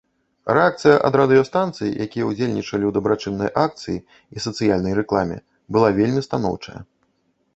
Рэакцыя ад радыёстанцый, якія ўдзельнічалі ў дабрачыннай акцыі і сацыяльнай рэкламе, была вельмі станоўчая.